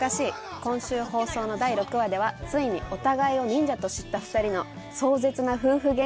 今週放送の第６話ではついにお互いを忍者と知った２人の壮絶な夫婦ゲンカが展開します。